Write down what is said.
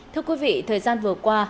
thưa quý vị thời gian vừa qua